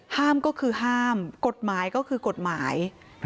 ห้ามก็คือห้ามกฎหมายก็คือกฎหมาย